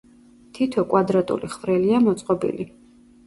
თითო კვადრატული ხვრელია მოწყობილი.